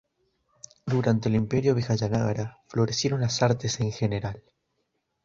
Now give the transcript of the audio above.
Durante el Imperio vijayanagara florecieron las artes en general.